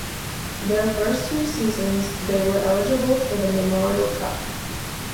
Their first two seasons they were eligible for the Memorial Cup.